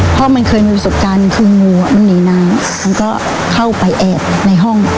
เพราะมันเคยมีวิสุทธิ์การคือหมูนี่น้ำเข้าไปแอบในห้อง